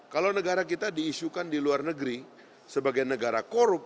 kalau negara kita diisukan di luar negeri sebagai negara korup